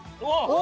お！